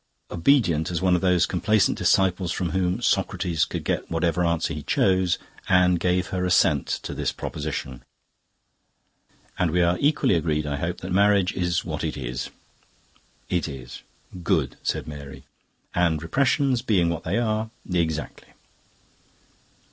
Obedient as one of those complaisant disciples from whom Socrates could get whatever answer he chose, Anne gave her assent to this proposition. "And we are equally agreed, I hope, that marriage is what it is." "It is." "Good!" said Mary. "And repressions being what they are..." "Exactly."